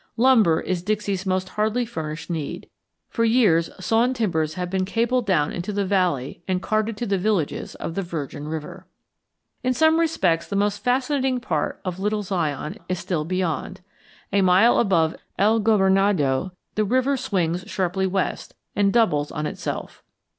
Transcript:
Lumber is Dixie's most hardly furnished need. For years sawn timbers have been cabled down into the valley and carted to the villages of the Virgin River. In some respects the most fascinating part of Little Zion is still beyond. A mile above El Gobernador the river swings sharply west and doubles on itself.